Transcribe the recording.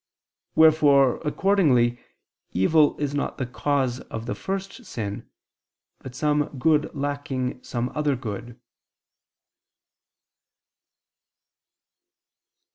Wherefore accordingly, evil is not the cause of the first sin, but some good lacking some other good.